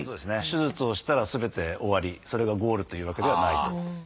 手術をしたらすべて終わりそれがゴールというわけではないと。